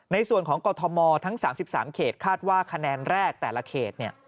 ในส่วนของกรทมทั้ง๓๓เขตคาดว่าคะแนนแรกแต่ละเขต